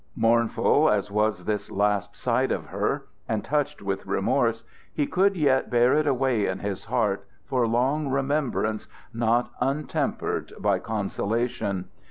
Mournful as was this last sight of her, and touched with remorse, he could yet bear it away in his heart for long remembrance not untempered by consolation.